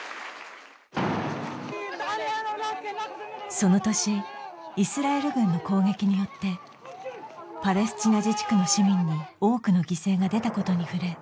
その年イスラエル軍の攻撃によってパレスチナ自治区の市民に多くの犠牲が出たことに触れ